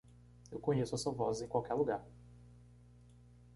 Eu conheço essa voz em qualquer lugar.